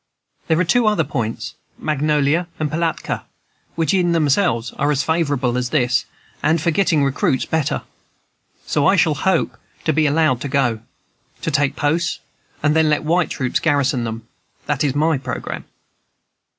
There are two other points [Magnolia and Pilatka], which, in themselves, are as favorable as this, and, for getting recruits, better. So I shall hope to be allowed to go. To take posts, and then let white troops garrison them, that is my programme.